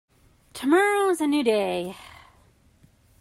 Tomorrow is a new day.